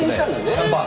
シャンパン！？